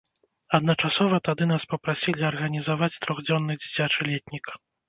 Адначасова тады нас папрасілі арганізаваць трохдзённы дзіцячы летнік.